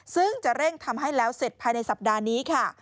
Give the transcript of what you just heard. ซึ่งจะเร่งทำให้แล้วเสร็จภายในสัปดาห์นี้ค่ะ